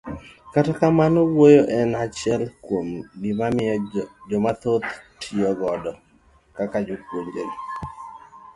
Kata kamano, wuoyo en achile kuom gima joma dhoth tiyo godo kaka jopuonjre.